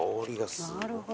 なるほど。